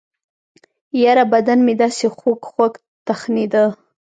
يره بدن مې دسې خوږخوږ تخنېده.